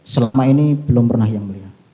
selama ini belum pernah yang mulia